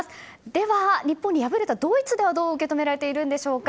では、日本に敗れたドイツではどう受け止められているんでしょうか。